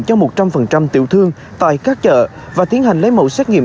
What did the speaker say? cho một trăm linh tiểu thương tại các chợ và tiến hành lấy mẫu xét nghiệm